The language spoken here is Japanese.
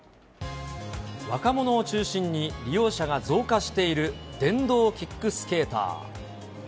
若者を中心に利用者が増加している、電動キックスケーター。